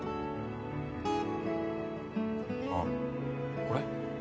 あっこれ？